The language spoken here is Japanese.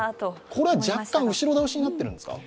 これ若干後ろ倒しになってるんですか？